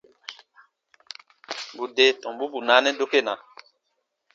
Bù de tombu bù naanɛ dokena.